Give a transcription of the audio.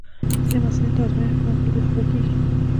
ځینې محصلین د ازموینو پر مهال بې خوبه کېږي.